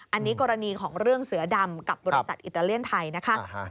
อันนี้กรณีของเรื่องเสือดำกับบริษัทอิตาเลียนไทยนะคะ